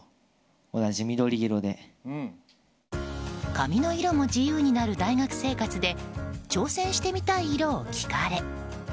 髪の色も自由になる大学生活で挑戦してみたい色を聞かれ。